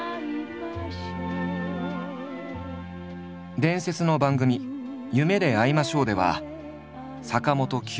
伝説の番組「夢であいましょう」では坂本九